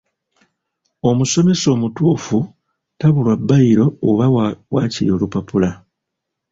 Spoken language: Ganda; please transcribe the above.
Omusomesa omutuufu tabulwa bbayiro oba waakiri olupapula.